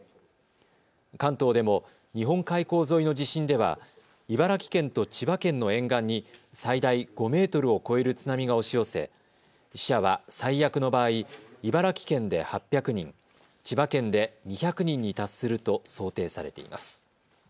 関東でも日本海溝沿いの地震では茨城県と千葉県の沿岸に最大５メートルを超える津波が押し寄せ死者は最悪の場合、茨城県で８００人、千葉県で２００人に達すると想定されています。